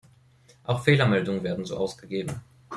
Auch Fehlermeldungen werden so ausgegeben.